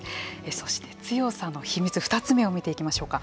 そして強さの秘密２つ目を見ていきましょうか。